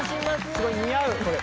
すごい似合うこれ。